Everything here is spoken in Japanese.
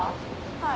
はい。